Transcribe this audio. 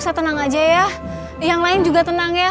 saya tenang aja ya yang lain juga tenang ya